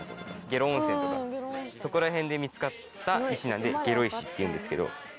下呂温泉とかそこら辺で見つかった石なので下呂石っていうんですけど。